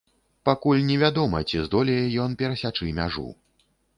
Пакуль невядома, ці здолее ён перасячы мяжу.